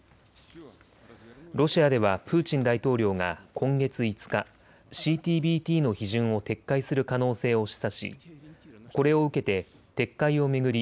ロシアではプーチン大統領が今月５日、ＣＴＢＴの批准を撤回する可能性を示唆しこれを受けて撤回を巡り